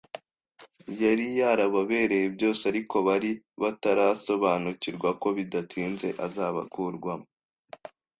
Yari yarababereye byose ariko bari batarasobanukirwa ko bidatinze azabakurwamo